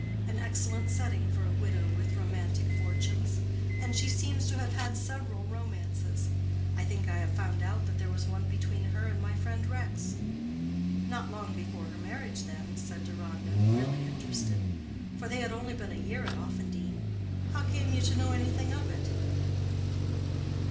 An excellent setting for a widow with romantic fortunes. And she seems to have had several romances. I think I have found out that there was one between her and my friend Rex." "Not long before her marriage, then?" said Deronda, really interested, "for they had only been a year at Offendene. How came you to know anything of it?"